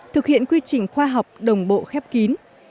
thực hiện quy trình khoa học đồng bộ khép kín